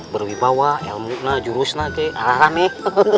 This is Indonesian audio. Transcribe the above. berwibawa ilmu jurus alah alah nih